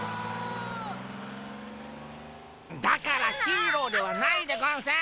だからヒーローではないでゴンス！